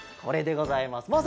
これでございます。